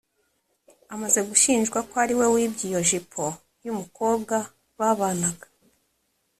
Amaze gushinjwa ko ari we wibye iyo jipo y’umukobwa babanaga